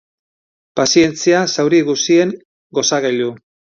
Pazientzia, zauri guzien gozagailu.